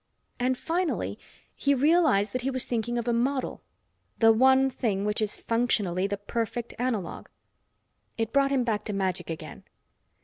And finally he realized that he was thinking of a model the one thing which is functionally the perfect analogue. It brought him back to magic again.